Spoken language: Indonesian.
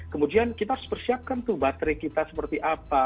kemudian kita harus persiapkan tuh baterai kita seperti apa